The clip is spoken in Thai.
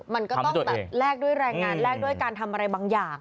มันก็ต้องแบบแลกด้วยแรงงานแลกด้วยการทำอะไรบางอย่าง